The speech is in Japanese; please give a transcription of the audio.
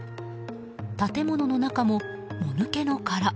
建物の中も、もぬけの殻。